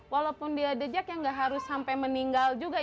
walaupun dia dejek yang gak harus sampai meninggal juga